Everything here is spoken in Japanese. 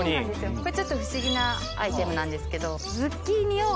これちょっと不思議なアイテムなんですけど。